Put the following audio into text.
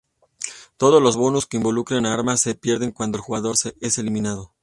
Todos los bonus que involucren a armas se pierden cuando el jugador es eliminado.